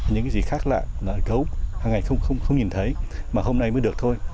những cái gì khác là gấu hằng ngày không nhìn thấy mà hôm nay mới được thôi